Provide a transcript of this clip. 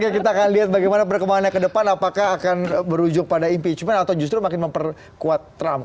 kita akan lihat bagaimana perkembangannya ke depan apakah akan berujung pada impeachment atau justru makin memperkuat trump